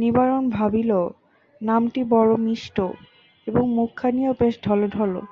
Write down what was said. নিবারণ ভাবিল, নামটি বড়ো মিষ্ট এবং মুখখানিও বেশ ঢলোঢলো।